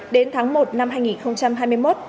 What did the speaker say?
đến tháng một năm hai nghìn hai mươi một